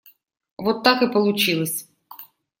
Вот так и получилось.